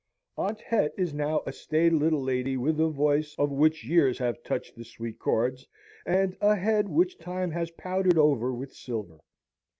Aunt Het is now a staid little lady with a voice of which years have touched the sweet chords, and a head which Time has powdered over with silver.